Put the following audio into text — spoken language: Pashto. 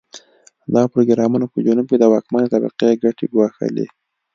دا پروګرامونه په جنوب کې د واکمنې طبقې ګټې ګواښلې.